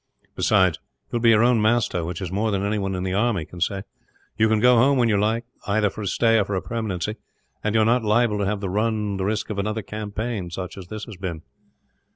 "Besides, you will be your own master, which is more than anyone in the army can say. You can go home when you like, either for a stay or for a permanency; and you are not liable to have to run the risk of another campaign such as this has been."